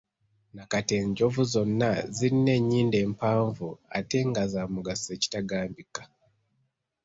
Nakati enjovu zonna zirina ennyindo empanvu ate nga z'amugaso ekitagambika!